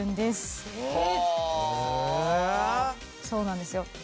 そうなんですよ。